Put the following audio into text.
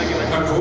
menurut bank dunia